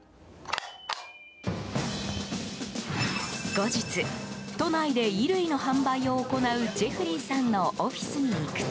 後日、都内で衣類の販売を行うジェフリーさんのオフィスに行くと。